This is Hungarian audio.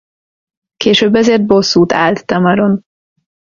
Később ezért bosszút áll Tamaron.